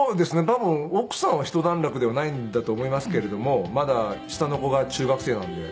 多分奥さんは一段落ではないんだと思いますけれどもまだ下の子が中学生なんで。